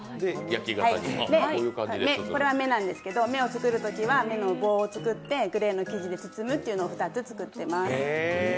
これは目なんですけど、目を作るときは目の棒を作ってグレーの生地で包むというのを２つ作ってます。